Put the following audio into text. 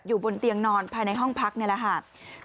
บนเตียงนอนภายในห้องพักนี่แหละค่ะ